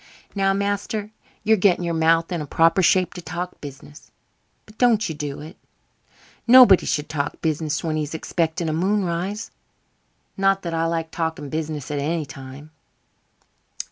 Now, master, you're getting your mouth in the proper shape to talk business but don't you do it. Nobody should talk business when he's expecting a moonrise. Not that I like talking business at any time."